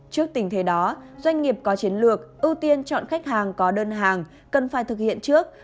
trước tình thế đó doanh nghiệp có chiến lược ưu tiên chọn khách hàng có đơn hàng cần phải thực hiện trước